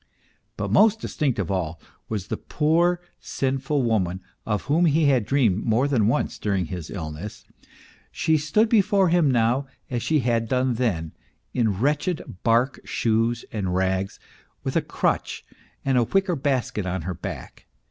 But most distinct of all was the poor, sinful woman of whom he had dreamed more than once during his illness she stood before him now as she had done then, in wretched bark shoes and rags, with a crutch and a wicker basket on her back.